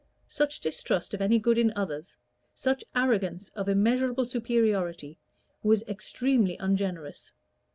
Such distrust of any good in others, such arrogance of immeasurable superiority, was extremely ungenerous.